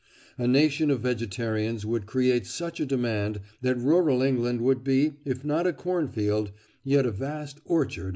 A nation of vegetarians would create such a demand that rural England would be, if not a cornfield, yet a vast orchard and market garden."